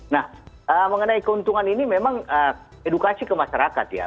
nah mengenai keuntungan ini memang edukasi ke masyarakat ya